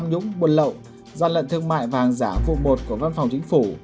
do lận thương mại và hàng giả vụ một của văn phòng chính phủ